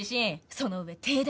その上停電。